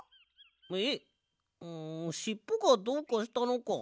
えっんしっぽがどうかしたのか？